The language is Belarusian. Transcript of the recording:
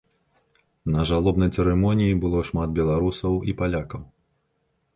На жалобнай цырымоніі было шмат беларусаў і палякаў.